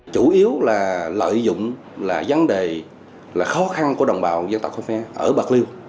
chủ yếu là lợi dụng là vấn đề là khó khăn của đồng bào dân tộc khơ me ở bạc liêu